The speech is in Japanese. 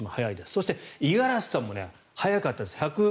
そして、五十嵐さんも速かったんです。